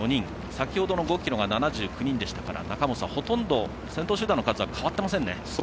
先ほどの５ｋｍが７９人でしたから中本さん、ほとんど先頭集団の数は変わってませんね。